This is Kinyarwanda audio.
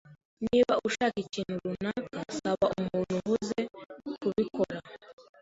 Niba ushaka ikintu runaka, saba umuntu uhuze kubikora.